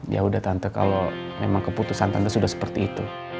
yaudah tante kalo memang keputusan tante sudah seperti itu